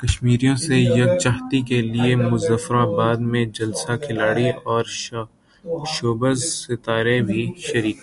کشمیریوں سے یکجہتی کیلئے مظفر اباد میں جلسہ کھلاڑی اور شوبز ستارے بھی شریک